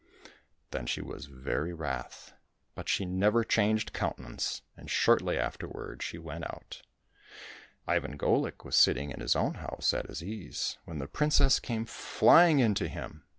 Then she was very wrath. But she never changed countenance, and shortly afterward she went out. Ivan Golik was sitting in his own house at his ease, when the princess came flying in to him.